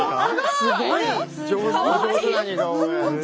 すごい上手な似顔絵。